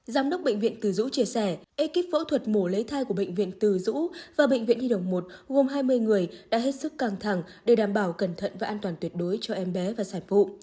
giám đốc bệnh viện từ dũ chia sẻ ekip phẫu thuật mổ lấy thai của bệnh viện từ dũ và bệnh viện nhi đồng một gồm hai mươi người đã hết sức căng thẳng để đảm bảo cẩn thận và an toàn tuyệt đối cho em bé và giải phụ